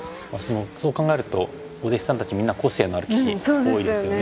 そう考えるとお弟子さんたちみんな個性のある棋士多いですよね。